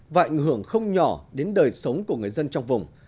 và ảnh hưởng không nhỏ đến đời sống của người dân trong vùng